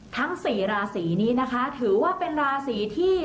ทั้งสี่ราศีนี้นะคะถือว่าเป็นราศีที่